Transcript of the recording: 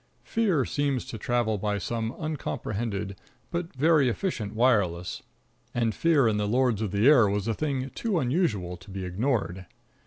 Fear seems to travel by some uncomprehended but very efficient wireless, and fear in the lords of the air was a thing too unusual to be ignored.